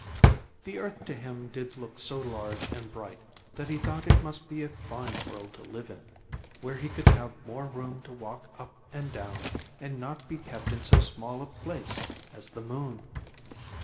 The earth to him did look so large and bright that he thought it must be a fine world to live in, where he could have more room to walk up and down, and not be kept in so small a place as the moon.